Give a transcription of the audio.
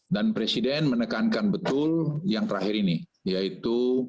dan presiden menekankan betul yang terakhir ini yaitu